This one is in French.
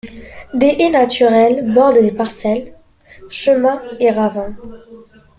Des haies naturelles bordent les parcelles, chemins et ravins.